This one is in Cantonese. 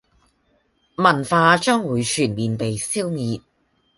文化將會全面被消滅